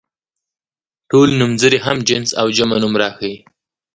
ټول نومځري هم جنس او جمع نوم راښيي.